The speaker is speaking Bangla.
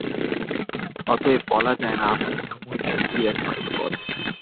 অতএব বলা যায় না, আমার ধর্মই মুক্তির একমাত্র পথ।